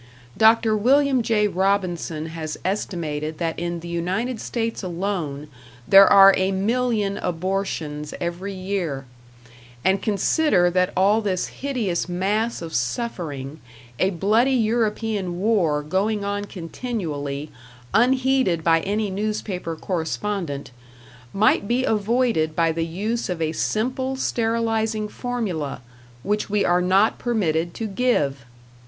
Dr. Wm. J. Robinson has estimated that in the United States alone there are a million abortions every year; and consider that all this hideous mass of suffering a bloody European war going on continually, unheeded by any newspaper correspondent might be avoided by the use of a simple sterilizing formula, which we are not permitted to give!